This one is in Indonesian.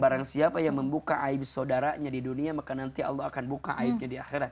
barang siapa yang membuka aib saudaranya di dunia maka nanti allah akan buka aibnya di akhirat